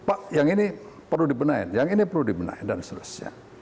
pak yang ini perlu dibenahi yang ini perlu dibenahi dan seterusnya